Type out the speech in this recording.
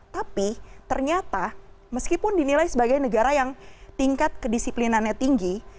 tapi ternyata meskipun dinilai sebagai negara yang tingkat kedisiplinannya tinggi